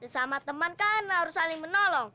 sama teman kan harus saling menolong